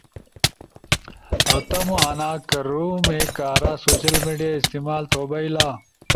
ُو تمو آنا کرومے کارا سوشل میڈیا استعمال تو بئیلا۔